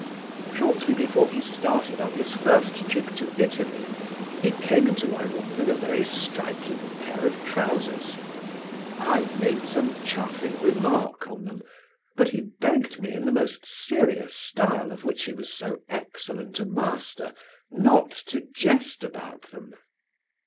"Shortly before he started on his first trip to Italy, he came into my rooms in a very striking pair of trousers. I made some chaffing remark on them, but he begged me in the most serious style of which he was so excellent a master not to jest about them.